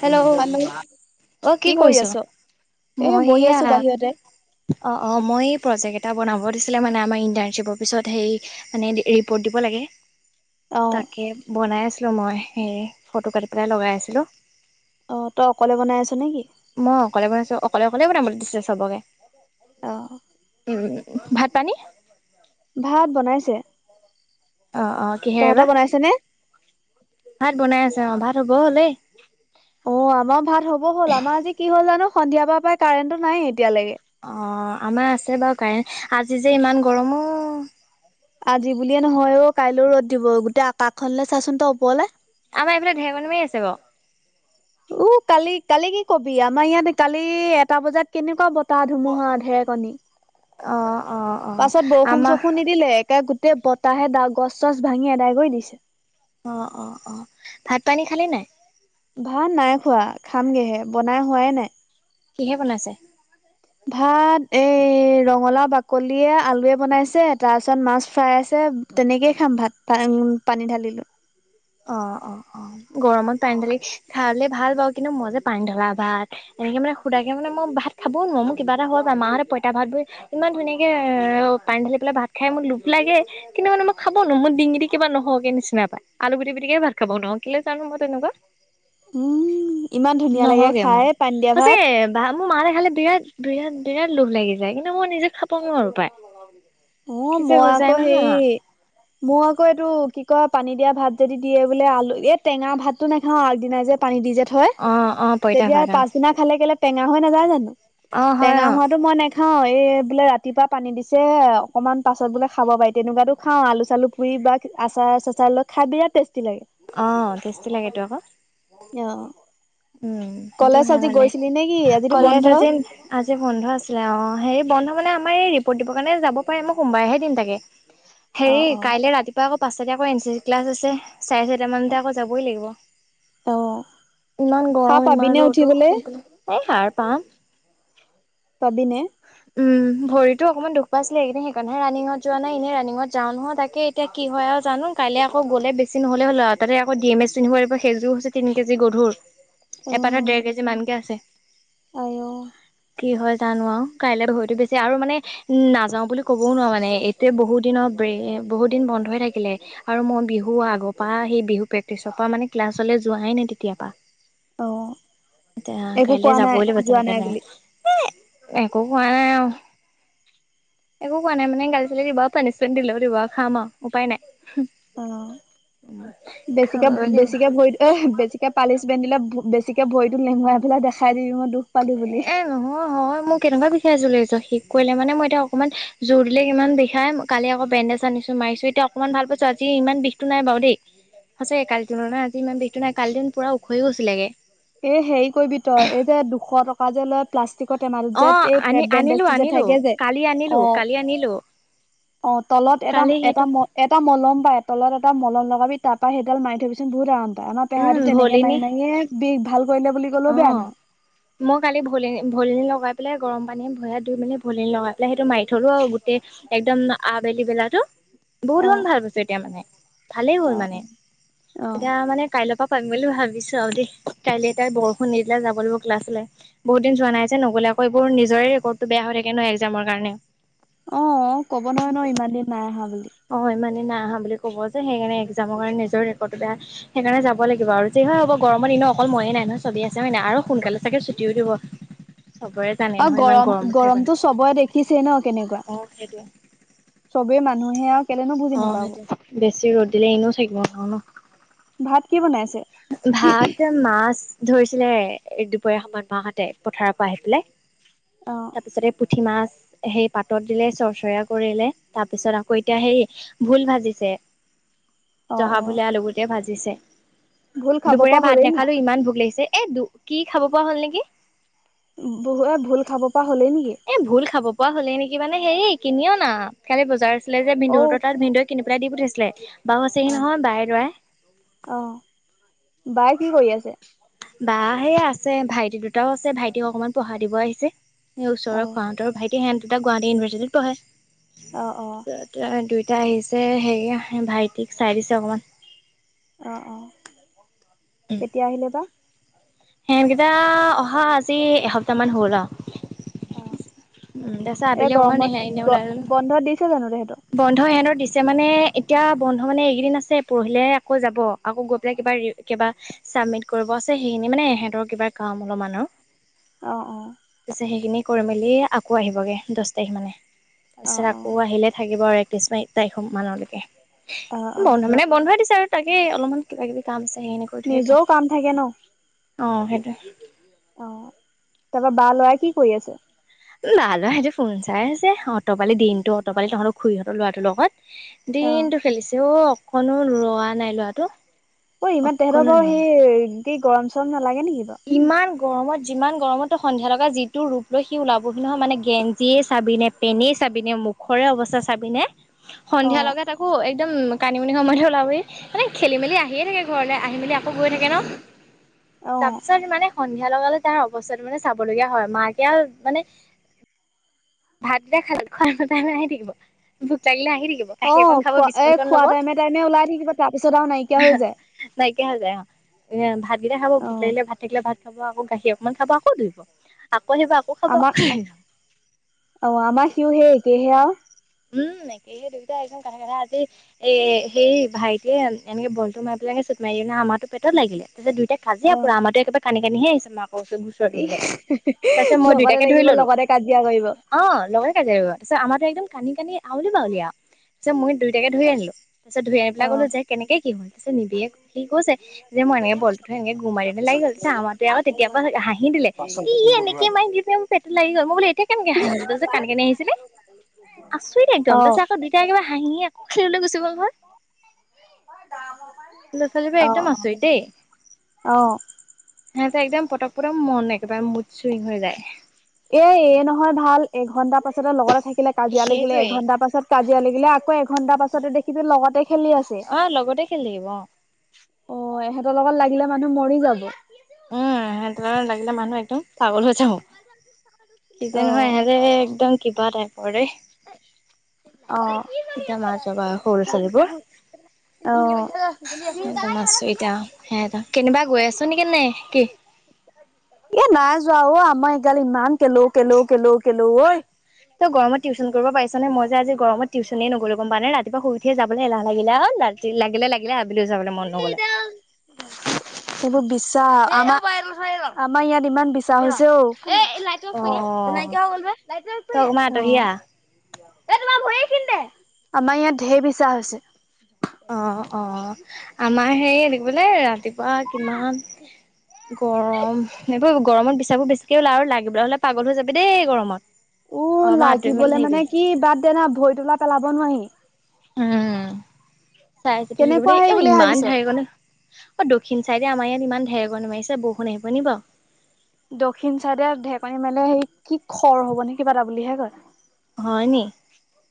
Hello, অ', কি কৰি কৰিছ? আছ? এ মই বহি এইয়া আছোঁ বাহিৰতে। অ', অ', মই এই প্ৰজেক্ট এটা বনাব দিছিলে মানে আমাৰ ইণ্টাৰ্ণশ্বিপৰ পিছত সেই মানে ৰিপৰ্ট দিব লাগে। অ তাকে বনাই আছিলোঁ মই, হেৰি ফটো কাটি পেলাই লগাই আছিলোঁ। অ', তই অকলে বনাই আছ নে কি? মই অকলে বনাইছোঁ, অকলে, অকলে বনাব বুলি দিছিলো চবকে, অ উম। ভাত পানী ভাত বনাইছে। অ, অ। কিহেৰে বা তহঁতৰ বনাইছে নে? ভাত বনাই আছে অ, ভাত হ'ব হ'লেই। অ, আমাৰ ভাত হ'ব হ'ল, আমাৰ আজি কি হ'ল জানো? সন্ধিয়াৰ পৰা প্ৰায় কাৰেণ্টটো নাই এতিয়ালৈকে। অ, আমাৰ আছে বাৰু কাৰেণ, আজি যে ইমান গৰম অ। আজি বুলিয়ে নহয় অ, কাইলৈও ৰ'দ দিব, গোটেই আকাশখনলে চাচোন তই ওপৰলে। আমাৰ এইফালে ধেৰেকনি মাৰি আছে বাৰু। [inaudible] উ, কালি, কালি কি কবি, আমাৰ ইয়াত কালি এটা বজাত কেনেকুৱা বতাহ-ধুমুহা, ধেৰেকণী। অ, অ। অ পাছত আমাৰ বৰষুণ-চৰষুণ নিদিলে, একে গোটেই বতাহে গছ-চছ ভাঙি এদাই কৰি দিছে। অ, অ, অ, ভাত-পানী খালি নাই? ভাত নাই খোৱা, খামগে হে, বনাই হোৱাই নাই। কিহে বনাইছে? ভাত এই ৰঙালাও বাকলিয়ে আলুয়ে বনাইছে, তাৰ পিছত মাছ ফ্ৰাই আছে। তেনেকেই খাম ভাত পানী ঢালি লৈ। অ, অ, অ, গৰমত পানী ঢালি খাললে ভাল বাৰু, কিন্তু মই যে পানী ঢলা ভাত এনেকে মানে সুধাকে মানে মই ভাত খাবও নোৱাৰো, মোৰ কিবা এটা হৈ যায়, মাহঁতে পইতা ভাত বোৰ ইমান ধুনীয়াকে পানী ঢালি পেলাই ভাত খাই, মোৰ লোভ লাগে। কিন্তু মানে মই খাব নোৱাৰো, মোৰ ডিঙিটো কিবা নসৰকে নিচিনা পাই। আলু পুটিকি-পিটিকিয়ে ভাত খাব নোৱাৰোঁ, কিয় জানো মই তেনেকুৱা। উম, ইমান ধুনীয়া লাগে খাই পানী দিয়া ভাত। ভা মোৰ মাহতে খালে বিৰাট-বিৰাট-বিৰাট লোভ লাগি যায়, কিন্তু মই নিজে খাব নোৱাৰো পায়। অ, মই আকৌ হেৰি মই আকৌ এইটো কি কয়, পানী দিয়া ভাত যদি দিয়ে বোলে আলু, এই টেঙা ভাতটো নাখাও আগদিনাই যে পানী দি যে থয়। অ, অ। পইতা তেতিয়া ভাত অ', পাছদিনা খালে কেলে টেঙা হৈ নাযায় জানো? অ', হয় টেঙা অ', হোৱাতো মই নেখাও। খাও, এই বোলে ৰাতিপুৱা পানী দিছে। অকণমান পাছত বোলে খাব পাৰি, তেনেকুৱাতো খাওঁ, আলু-চালু পুৰি বা আচাৰ-চাচাৰ লৈ খাই বিৰাট টেষ্টি লাগে। অ, টেষ্টি লাগেতো আকৌ। অ উম। সেইটো কলেজ হয় আজি মানে, গৈছিলি নে কি আজিতো কলেজ বন্ধ? আজি আজি বন্ধ আছিলে অঁ, হেৰি বন্ধ মানে আমাৰ এই ৰিপৰ্ট দিবৰ কাৰণে যাব পাৰে, মই সোমবাৰেহে দিম তাকে। [inaudible] হেৰি অ' কাইলৈ ৰাতিপুৱা আকৌ পাঁচতাতে এন চি চি ক্লাছ আছে। চাৰে চাৰিটা মানতে আকৌ যাবই লাগিব। অ' ইমান সাৰ গৰম পাবিনে ইমান ৰ'দো। উঠিবলে? এই সাৰ পাম। পাবি নে? উম, ভৰিতো অকনমান দুখ পাই আছিলো, এইকেইদিন সেইকাৰণহে ৰানিঙত যোৱা নাই, এনেই ৰানিঙত যাওঁ নহয়, তাকে। কি হয় আৰু জানো? কাইলৈ আকৌ গ'লে বেছি নহ'লে হ'ল আৰু, তাতে আকৌ ডিম এম এচ পিন্ধিব লাগিব, সেইজোৰ হৈছে তিনি কেজি গধুৰ, এপাটত অ' ডেৰ কেজি মানকৈ আছে। আই অ। কি হয় জানো আৰু, কাইলৈ ভৰিতো বেছি আৰু মানে উম, নাযাও বুলি ক'বও নোৱাৰা মানে, এইটোৱে বহুত দিনৰ ব্ৰেক, বহুত দিন বন্ধ হৈ থাকিলে। আৰু মই বিহু আগৰ পৰা সেই বিহু প্ৰেক্টিচৰ পৰা মানে ক্লাছলৈ যোৱাই নাই তেতিয়াৰ পা। অ' এতিয়া একো কাইলে কোৱা নাই যাবই লাগিব যোৱা যেনে নাই তেনে। বুলি কো হোৱা নাই আ। একো কোৱা নাই মানে গালি চালী দিব পানিচমেণ্ট দিলে দিব খাম আৰু উপায় নাই। অ বেছিকে খাবই লাগিব বেছিকে ভৰি এ হ বেছিকে। পানিচমেণট দিলে বেছিকে ভৰিটো লেহুৱাই পেলাই দেখাই দিবি মই দুখ পালো বুলি। এ নহয় নহয় মই এনেকুৱাই বিষাই আছিলে শিকোৱালে মানে মই এতিয়া অকণমান জোৰ দিলে কিমান বিষাই। কালি আকৌ বেণ্দেজ আনিছো মাৰিছো এতিয়া অকমানাশ ভাল পাইছো আজি ইমান বিষটো নাই বাৰু দেই। সঁচাকৈ কালিৰ তুলনাত আজি ইমান বিষটো নাই কালি দিন পূৰা শুকাই ও গৈছিলগে। এ হেৰি কৰিবি তই এই যে দুশ টকা। যে লয় প্লাষ্টিকতৰ চেমা ক্নেপ অ এটাত যে আনি এই আনিলো বেণ্ডেজটো যে আনিলো থাকে যে। কালি আনিলো কালি আনিলো অ তলত এটা কালি এটা সেইটো ম। এটা মলম পায় তলত এটা মলম লগাবি তাৰপৰা সেইডাল মাৰি থবিচোন বহুত আৰাম পায়। আমাৰ উম পেহাটো তেনেকে ভলিনী মাৰি মাৰিয়ে বিষ ভাল কৰিলে বুলি অ কলেও বেয়া নহয়। মই কালি ভলিনি লগাই পেলাই গৰম পানী ভৰি হাত ধুই মেলি ভলিনি লগাই পেলাই সেইটো মাৰি থ'লো আৰু গোটেই। একদম আবেলি বেলাটো। বহুত অ গুণ ভাল পাইছোঁ এতিয়া মানে ভালেই হ'ল অ মানে এতিয়া মানে। কাইলৈৰ পৰা পাৰিম বুলি ভাবিছোঁ আৰু দেই কাইলৈ বৰষুণ নিদিলে যাব লাগিব ক্লাচলৈ। বহুত দিন যোৱা নাই যে, নগ'লে আকৌ এইবোৰ নিজৰে ৰেকৰ্ডটো বেয়া হৈ থাকে ন এক্জামৰ কাৰণে। অ ক'ব নহয় ন ইমান দিন নাই আহা বুলি। অ ইমানে নাই আহা বুলি ক'ব যে সেইকাৰণে এক্জামৰ কাৰণে নিজৰ ৰেকৰ্ডটো বেয়া। সেইকাৰণে যাব লাগিব আৰু যি হয় হ'ব গৰমৰ দিন অকল ময়ে নাই নহয়। ছবি আছে হয় নাই আৰু সোনকালে চাগে ছুটিও দিব চবৰে। জানে অ নহয় ইমান গৰম গৰমত থাকিব না গৰমতটো চবৰে দেখিছোঁ ন কেনেকুৱা। অ সেইটোৱে চবে মানুহে আ। অ', বেছি ৰ'দ দিলে এনেও থাকিব নোৱাৰো ন। ভাত কি বনাইছে? ভাত মাছ ধৰিছিলেৰে দুপৰীয়া সময়ত মাহাহতে পথাৰ পৰা আহি পেলাই। অ তাৰপিছতে পুঠি মাছ। সেই পাতত দিলে চৰ্চয়া কৰিলে তাৰ পিছত আকৌ এতিয়া সেই ভোল ভাজিছে। [unintelligible] জহা অ ভোলে আলু গুটীয়া ভাজিছে। ভোল খাব দুপৰীয়া পৰা ভাত হ'লেই নি নাখালো ইমান ভোক লাগিছে এ দু কি খাব পৰা হ'ল নেকি। বহু এ ভোল খাব পৰা হ'লেই নেকি? এই ভুল খাব পৰা হ'লেই নেকি মানে হেৰি কিনি অনা কালি বজাৰ আছি। আছিলে যে অ বিন্ধুৰ তাত ভন্দু কিন পেলাই দি পঠিছিলে বাাৰু অ আছেহি নহয় বাইে লৰাই। অ', বাই কি কৰি আছে? বা সেয়া আছে ভাইটি দুটাও আছে ভাইটিক অকনমান পঢ়া দিব আহিছে এই অ ওচৰৰ খোৱা। তোৰ ভাইটি হেন দুটা গুৱাহাটী ইউনিভাৰ্চিটিত পঢ়ে। অ', অ'। অ দুয়োটা আহিছে হেৰি ভাইটিক চাই দিছে অকণমান। অ', অ', কেতিয়া আহিলো বা। খেহেত কেইটা অহা আজি এসপ্তাহ মান হ'ল আউ। অ উম তাছ এই আবেলি অকমান গৰমত হে এনে গ ওলাই গলো। বন্ধ দিছে জানো তেহেঁতৰ বন্ধ এহঁতৰ দিছে মানে এতিয়া বন্ধ মানে এইকেইদিন আছে পুৰহিলে আকৌ যাব। আকৌ গৈ পেলাই কিবা কিবা চাবমিট কৰিব আছে সেইখিনি মানে। হেতৰ কিবা কাম অলপমান আৰু অ তাৰপিছত সেইখিনি- কৰি মেলি আকৌ আহিবগৈ দ'হ তাৰিখ মানে অ তাৰপিছত আকৌ আহিলে থাকিব আৰু। একত্ৰিছ - তাৰিখ মানলৈকে। অ অ বন্ধ মানে বন্ধাই দিছে আৰু তাকে অলপমান কিবা-কিবি কাম আছে সেনেকে- নিজেও কাম থাকে ন। অঁ', সেইটোয়ে। তাৰপা বা ল'ৰা কি কৰি আছে? ভাল ল'ৰা সেইটো ফোন চাই আছে অট পালি দিনটো অট পালি তহঁতৰ খুৰিহঁতৰ ল'ৰাটোৰ লগত। [unintelligible] দিনটো খেলিছে অ', অকনো ৰোৱা নাই ল'ৰাটো। ঐ ইমান তেহেঁতৰ অকণো ৰোৱা বাৰু নাই সেই কি গৰম চৰম নালাগে নেকি বাৰু। ইমান গৰমত যিমান গৰমতে সন্ধিয়া লগা যিটো ৰূপ লয় সি ওলাবহি নহয় মানে গেঞ্জিয়েই চাবিনে- পেনে চাবিনে, মুখৰে অৱস্থা চাবিনে, অ সন্ধিয়া লগাত- আকৌ একদম কানি-মুনি সময়তে ওলাবি, মানে খেলি-মেলি আহিয়ে থাকে ঘৰলৈ আহি মেলি আকৌ গৈ থাকে ন। অ তাৰপিছত মানে সন্ধিয়া লগালে তাৰ অৱস্থাটো মানে চাবলগীয়া হয়, মাকে মানে- ভাতকেইটা খাল খোৱাই আহি থাকিব ভোক লাগিলে আহি থাকিব। গাখীৰ অকন অ', খাব খোৱা, বিস্কুট এই অকন ল'ব খোৱা টাইমে-টাইমে ওলাই থাকিব তাৰ পিছত আৰু নাইকিয়া হৈ যায়। নাইকিয়া হৈ যায় অঁ', এ ভাতকেইটা খাব অ ভোক লাগিলে ভাত থাকিলে ভাত- খাব আকৌ গাখীৰ অকণমান খাব আকৌ দৌৰিব, আকৌ আহিব, আকৌ খাব আমাৰ আকৌ অ', আমাৰ সিও একেই হে আৰু। উমঁ, একেই হে দুইতাই একদম কথা-কথা আজি- এ সেই ভাইটিয়ে এনেকে বলটো মাৰিলে চুট মাৰি নে আমাৰটো পেটত লাগিলে তাৰিছত দুইটাক- কাজিয়া অ পুৰা আমাৰটোয়ে একে কান্দি-কান্দি আহিছে মাক উচ ইচ লগতে লাগিব, লগতে কাজিয়া কৰিব। অঁ', লগতে কাজিয়া কৰিব, তাৰপা আমাৰটো একদম কান্দি-কান্দি আউলি-বাউলি আৰু তাৰপিছত মই দুইটাকে ধৰি আনিলো। তাৰপিছত ধুই আনি পেলাই অ ক'লো যে কেনেকে কি হ'ল পিছত নিবিৰে খুলি-মেলি কৈছে। যে মই এনেকে বলটো থৈ এনেকে গুৰ মাৰি দিওঁতে লাগি গ'ল আমাৰাটোয়ে আকৌ তেতিয়া পা হাঁহি দিলে। বাচন-বৰ্তনবোৰ ধোৱা। পেত লালি গ'ল মই বোলো এতিয়া কেনকে কান্দি-কান্দি আহিছিলি। আছো এতিয়া একদম অ তাৰপিছত আকৌ দুয়োটাই একেবাৰে হাঁহিয়ে খেলিবলৈ গুচি গ'ল নহয়। সৰু ল'ৰা-ছোৱালীবোৰ একদম আচৰিত দেই। অঁ। সিহঁতে একদম পতক-পতক মন একেবাৰে মুড চুইং হৈ যায়। এই-এই নহয় ভাল এঘণ্টা পাছতে লগতে থাকিলে, কাজিয়া লাগিলে, সেইটোৱে এঘণ্টা পাছত- কাজিয়া লাগিলে আকৌ এঘন্টা পাছতে দেখিবি লগতে খেলি আছে। অ' লগতে খেলি থাকিব অ'। অ', এহঁতৰ লগত লাগিলে মানুহ মৰি যাব। উমঁ, সিহঁতৰ লাগিলে মানুহ একদম পাগল হৈ যাব। কি যে অ নহয় ইহঁতে একদম কিবা টাইপৰ ৰে। উ [unintelligible] তিতা মা যাবা সৰু চলিবোৰ। সেদমা আছো এতিয়া সিহঁতৰ কেনিবা গৈ আছো নেকি নে কি? এই নাই যোৱা ঔ আমাৰ এইগাল ইমান কেলৌ-কেলৌ-কেলৌ- কেলৌ ঐ। তই গৰমত টউশন কৰিব পাৰিছ ন' মই যে আজি গৰম টিউনে গম পাইছ নে নাই ৰাতিপুৱা শুই উঠিয়োবলৈ এলাহ লাগিলে আৰু। কি লাগিল-লাগিলে আৰু আাবিলি হৈ যাব মন নগ'ল। [unintelligible] সেইবোৰ বিচা, আমাৰ ইয়াত ইমান বিছা হৈছে ঔ। নাইকিয়া হৈ গল যে, লাইট অ' টো অফ তকমা কৰি আঁতহিয়া। দিয়া। আমাৰ ইয়াত ঢেৰ বিছা হৈছে। অ অ আমাৰ হেৰী বোলেই ৰাতি, বাহ কিমান গৰম মানে, উম গৰমত বিচাবোৰ বেছিক ওলাই আৰু লাগিবলৈ হ'লে পাগল হৈ যাবি দেই গৰমত। উ অলপমান আঁতৰি মেলি লাগিবলে থাকিবি। মানে কি বাদ দেনা ভৰি তোলা পেলাব নোৱাৰি, উম চাই চিতি থাকিব‌ কেনেকুৱা দেই, হেৰি অ বুলি ইমান ভাবিছ? ঢাৰ এইফালে অ দক্ষিণ চাইডে আমাৰ ইয়াত ইমান ঢেৰেকণি মাৰিছে বৰষুণ আহিব নিকি বাৰু, দক্ষিণ চাইডে ঢেৰ্কণি মাৰিলে সেই কি খৰ হব নে কিবা এটা বুলিহে কয়। হয় নি?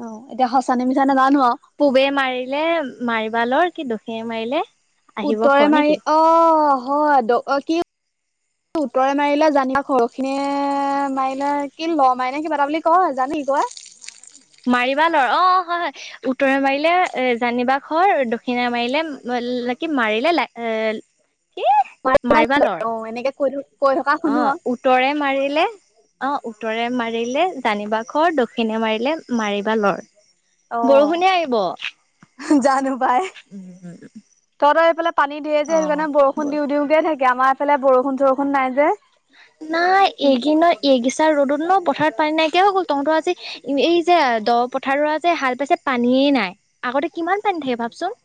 অ এতিয়া সঁচানে মিছা নেজানো আৰু, পূবে মাৰিলে মাৰিবা লৰ কি দক্ষিণে মাৰিলে, আহিব উত্তৰে খৰ মাৰি নেকি? অ হয় দ অ কি, তু উত্তৰে মাৰিলে জানিবা শৰখিনিয়ে মাৰিলে কি ল মাৰ নে কিবা এটা বুলি, ক জানি কোৱা। মাৰিবা লৰ অ অ হয় হয়। উত্তৰে মাৰিলে এ জানিবা শৰ দক্ষিণে মাৰিলে ন কি মাৰিলে লে এ, কি মাত মাৰিবা ম লৰ অ এনেকে কৈ দিওঁ, অ উত্তৰে মাৰিলে অ উত্তৰে মাৰিলে জানিবা শৰ দক্ষিণে মাৰিলে মাৰিবা লৰ। অ বৰষুণে আহিব। উ জানো পাই। তহঁতৰ হেইফালে পানী দিয়ে যে সেইকাৰণে বৰষুণ দিওঁ দিওঁকে থাকে আমাৰ এইফালে বৰষুণ চৰষুণ নাই যে। নাই এইকেইনত এগিছা ৰ'দত ন পথাৰত পানী নাইকিয় হৈ গ'ল তহঁতৰ আজি, এই যে দ পথাৰ ৰুৱা যে হাল পাইছে পানীয়েই নাই। আগতে কিমান পানী থাকে ভাবচোন।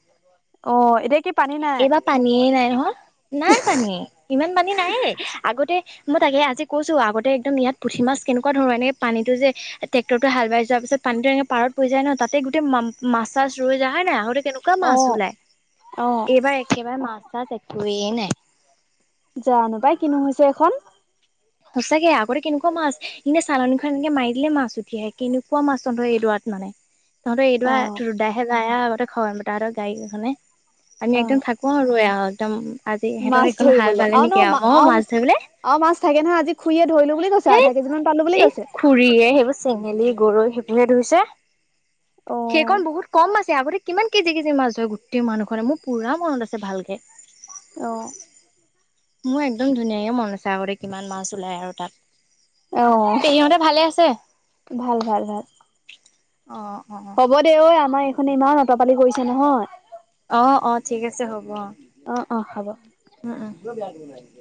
অ এতিয়া কি পানী নাই? এইবাৰ পানীয়ে নাই নহয়, নাই পানী ইমান পানী নাইয়েই আগতে মই তাকে আজি কৈছো আগতে একদম ইয়াত পুঠি মাছ কেনেকুৱা ধৰো এনেকে পানীটো যে, টেক্টৰ টোৱে হাল বাই যোৱাৰ পিছত পানীটো এনেকে পাৰত পৰি যায় ন তাতে গোটেই মা মাছ‌ চাছ ৰৈ যায় হয় নাই আহোতে কেনেক, কোৱা অ মাছ ওলাই, অ এইবাৰ একেবাৰে মাছ চাছ একোৱে নাই। জানো পাই কিনো হৈছে এইখন। সঁচাকে আগতে কেনেকুৱা মাছ এনে চালনীখন এনেকে মাৰি দিলে মাছ উঠি আহে কেনেকুৱা মাছ তহঁতৰ এইডৰাত মানে। [inaudible] তহঁতে এইদৰা অ ৰুদদাহে যায়ে আৰু তই খৰ তাহতৰ গাডীকেইখনে আমি অ। একদম থাক, কো আৰু এয়া একদম আজি মাছ সিহঁতৰ সেইকণ হাল বালে নেকি আৰু ময়ো মাছ ধৰিবলে। অ মাছ থাকে নহয় আজি খুৰীয়ে ধৰিলো বুলি কৈছে আধা কেজিমান পালো বুলি কৈছে। খুৰিয়ে সেইবোৰ চেঙেলী গৰৈ সেইবোৰহে ধৰিছে। অ সেইকণ বহুত কম আছে, আগতে কিমান কেজি কেজি মাছ ধৰে গোটেই মানুহখনে মোৰ পুৰা মনত আছে ভালকে। অঁ মোৰ একদম ধুনীয়াকে মনত আছে আগতে কিমান মাছ ওলাই আৰু তাত। অ', পেহিহতে ভালে আছে? ভাল ভাল ভাল অ অ হ'ব দে ঐ আমাৰ এইখনে ইমান অত পালি কৰিছে। নহয়। অ অ ঠিক আছে হ'ব অ। অ অ হ'ব। উম উম।